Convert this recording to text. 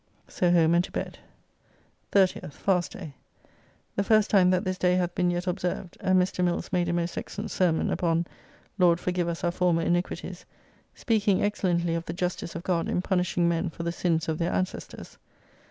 So home and to bed. 30th (Fast day). The first time that this day hath been yet observed: and Mr. Mills made a most excellent sermon, upon "Lord forgive us our former iniquities;" speaking excellently of the justice of God in punishing men for the sins of their ancestors.